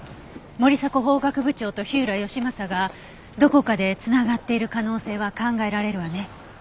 森迫法学部長と火浦義正がどこかで繋がっている可能性は考えられるわね。